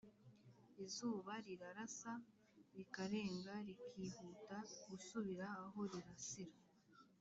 izuba rirarasa rikarenga rikihuta gusubira aho rirasira